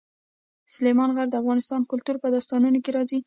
سلیمان غر د افغان کلتور په داستانونو کې راځي.